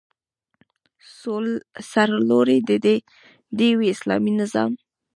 سرلوړی دې وي اسلامي نظام؟